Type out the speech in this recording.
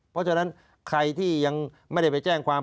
เพราะฉะนั้นใครที่ยังไม่ได้ไปแจ้งความ